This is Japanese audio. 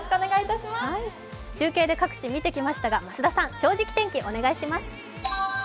中継で各地を見てきましたが、増田さん、「正直天気」をお願いします。